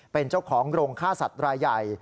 เป็นเจ้าของโรงฆ่าสัตว์รายใหญ่